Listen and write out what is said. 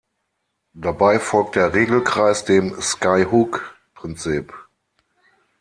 Dabei folgt der Regelkreis dem Skyhook-Prinzip.